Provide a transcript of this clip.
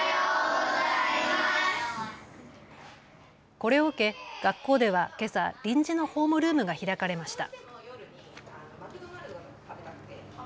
これを受け学校ではけさ臨時のホームルームが開かれました。